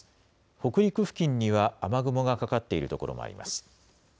北陸付近には雨雲がかかっている所もあります。